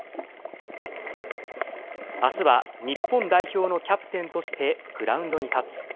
あすは日本代表のキャプテンとしてグラウンドに立つ。